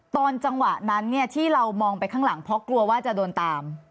ตอนจังหวะนั้นที่เรามองไปข้างหลังเพราะกลัวว่าจะโดนตาม